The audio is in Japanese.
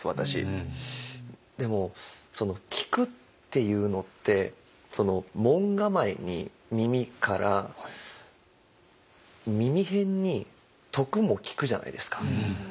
でも「聞く」っていうのって門構えに「耳」から耳偏に「徳」も「聴く」じゃないですか。